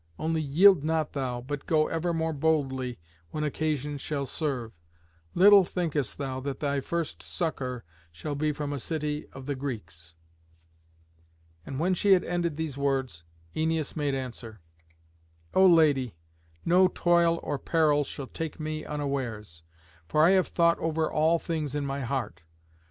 Only yield not thou, but go ever more boldly when occasion shall serve. Little thinkest thou that thy first succour shall be from a city of the Greeks." And when she had ended these words, Æneas made answer: "O Lady, no toil or peril shall take me unawares; for I have thought over all things in my heart.